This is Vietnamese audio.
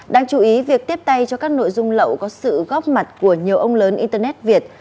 đáng chú ý việc tiếp tay cho các nội dung lậu có sự góp mặt của nhiều ông lớn internet việt